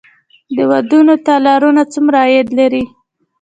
د ودونو تالارونه څومره عاید لري؟